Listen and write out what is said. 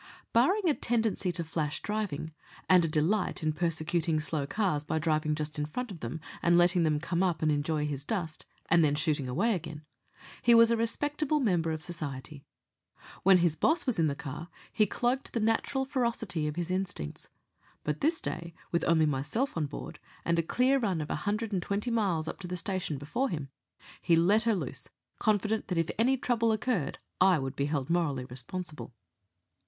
Barring a tendency to flash driving, and a delight in persecuting slow cars by driving just in front of them and letting them come up and enjoy his dust, and then shooting away again, he was a respectable member of society. When his boss was in the car he cloaked the natural ferocity of his instincts; but this day, with only myself on board, and a clear run of a hundred and twenty miles up to the station before him, he let her loose, confident that if any trouble occurred I would be held morally responsible.